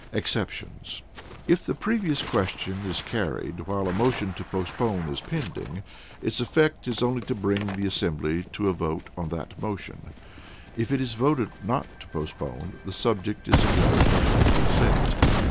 Exceptions: If the Previous Question is carried while a motion to Postpone is pending, its effect is only to bring the assembly to a vote on that motion; if it is voted not to postpone, the subject is again open for debate.